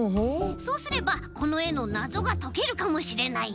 そうすればこのえのなぞがとけるかもしれない。